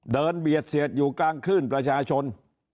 เบียดเสียดอยู่กลางคลื่นประชาชน